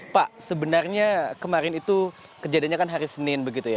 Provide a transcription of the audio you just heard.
pak sebenarnya kemarin itu kejadiannya kan hari senin begitu ya